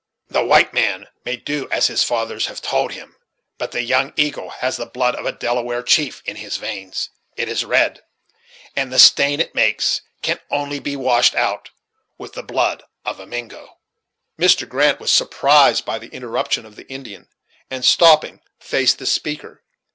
The white man may do as his fathers have told him; but the 'Young Eagle' has the blood of a Delaware chief in his veins; it is red, and the stain it makes can only be washed out with the blood of a Mingo." Mr. Grant was surprised by the interruption of the Indian, and, stopping, faced the speaker.